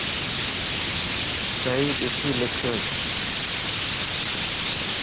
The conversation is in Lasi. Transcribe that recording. صحيح ڏسي لک